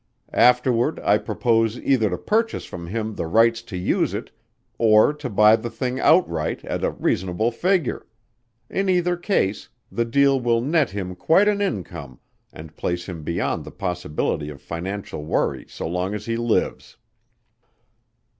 Afterward I propose either to purchase from him the rights to use it, or to buy the thing outright at a reasonable figure. In either case, the deal will net him quite an income and place him beyond the possibility of financial worry so long as he lives."